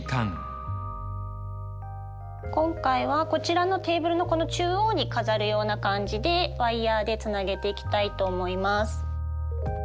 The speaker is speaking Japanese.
今回はこちらのテーブルのこの中央に飾るような感じでワイヤーでつなげていきたいと思います。